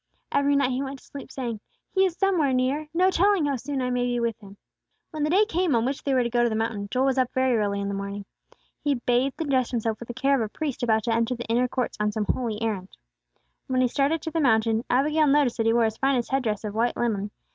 Every night he went to sleep saying, "He is somewhere near! No telling how soon I may be with Him!" When the day came on which they were to go to the mountain, Joel was up very early in the morning. He bathed and dressed himself with the care of a priest about to enter the inner courts on some holy errand. When he started to the mountain, Abigail noticed that he wore his finest headdress of white linen.